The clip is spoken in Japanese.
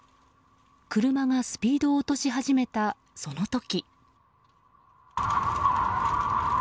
車がスピードを落とし始めたその時。